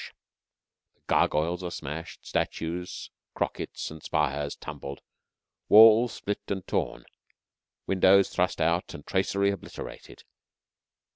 The gargoyles are smashed; statues, crockets, and spires tumbled; walls split and torn; windows thrust out and tracery obliterated.